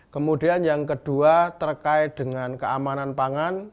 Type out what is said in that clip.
kemudian yang kedua terkait dengan keamanan pangan